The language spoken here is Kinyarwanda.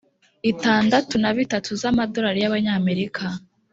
itandatu na bitatu z Amadolari y Abanyamerika